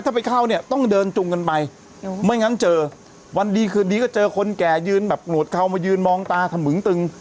ถ้าไปเข้าเนี่ยต้องเดินจุงกันไปไม่งั้นเจอวันดีคืนดีก็เจอคนแก่ยืนแบบหนวดเข้ามายืนมองตาถมึงตึง